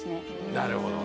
なるほどね。